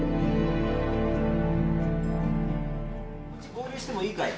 合流してもいいかい？